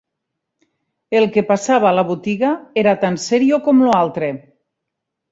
El que passava a la botiga era tan serio com lo altre